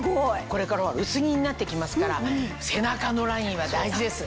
これから薄着になって来ますから背中のラインは大事です。